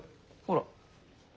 ほら！